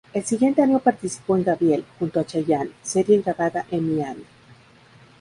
El siguiente año participó en "Gabriel" junto a Chayanne, serie grabada en Miami.